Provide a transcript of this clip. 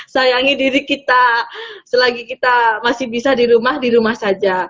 sayangi diri kita selagi kita masih bisa di rumah di rumah saja